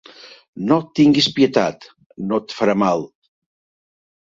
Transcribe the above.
No tinguis pietat, no et farà mal.